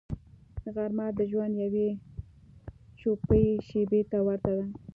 غرمه د ژوند یوې چوپې شیبې ته ورته ده